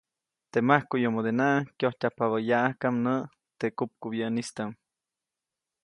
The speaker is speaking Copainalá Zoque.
Teʼ majkuʼyomodenaʼk kyojtyajpabä yaʼajka näʼ teʼ kupkubyäʼnistaʼm.